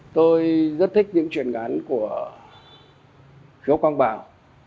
tôi rất thích những chuyện ngắn của khiếu quang bảo